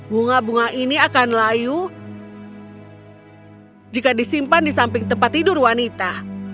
bunga bunga ini akan layu jika disimpan di samping tempat tidur wanita